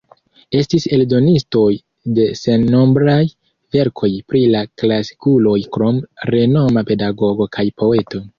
Estis eldonistoj de sennombraj verkoj pri la klasikuloj krom renoma pedagogo kaj poeto.